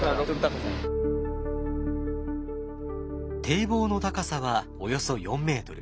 堤防の高さはおよそ４ｍ。